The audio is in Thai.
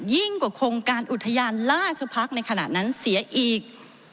ยิ่งกว่าโครงการอุทยานราชพักษ์ในขณะนั้นเสียอีก